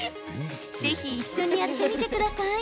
ぜひ一緒にやってみてください。